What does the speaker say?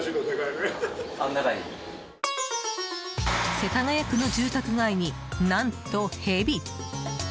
世田谷区の住宅街に、何とヘビ。